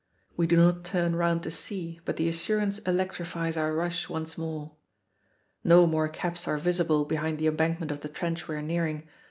We do not turn round to see, but the assurance electrifies our rush once more. No more caps are visible behind the embankment of the trench we are nearing.